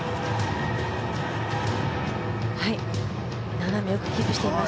斜めよくキープしています。